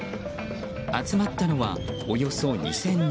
集まったのはおよそ２０００人。